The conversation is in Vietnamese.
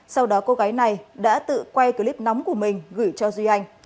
sau đó cô gái này đã tự quay clip nóng của mình gửi cho duy anh